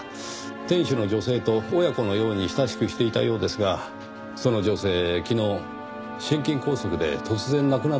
店主の女性と親子のように親しくしていたようですがその女性昨日心筋梗塞で突然亡くなったそうです。